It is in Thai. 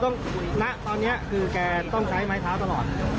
ณตอนนี้คือแกต้องใช้ไม้เท้าตลอด